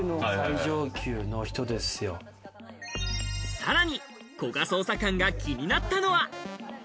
さらに、こが捜査官が気になったのは。